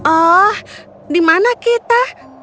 oh dimana kita